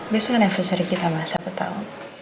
besok anniversary kita sama siapa tau